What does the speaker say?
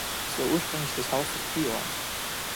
Es war ursprünglich das Haus des Priors.